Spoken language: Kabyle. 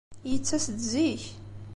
Yettas-d zik.